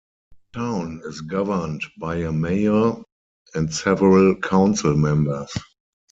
The town is governed by a mayor and several council members.